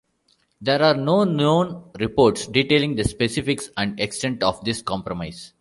There are no known reports detailing the specifics and extent of this compromise.